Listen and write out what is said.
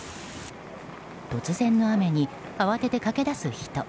突然の雨に、慌てて駆け出す人。